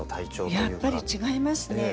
やっぱり違いますね。